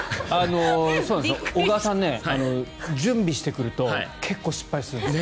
小川さん、準備してくると結構失敗するんです。